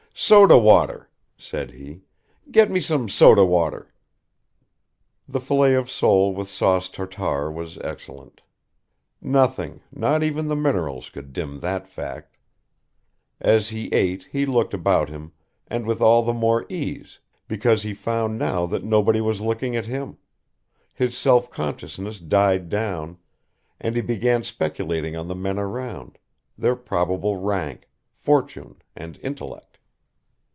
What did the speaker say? "Soda water," said he. "Get me some soda water." The fillet of sole with sauce Tartare was excellent. Nothing, not even the minerals could dim that fact. As he ate he looked about him, and with all the more ease, because he found now that nobody was looking at him; his self consciousness died down, and he began speculating on the men around, their probable rank, fortune, and intellect.